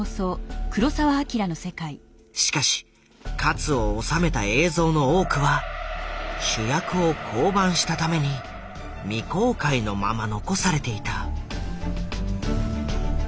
しかし勝を収めた映像の多くは主役を降板したために未公開のまま残されていた。